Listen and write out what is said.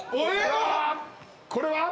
これは？